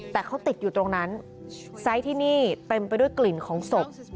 แต่เขาติดอยู่ตรงนั้นไซส์ที่นี่เต็มไปด้วยกลิ่นของศพ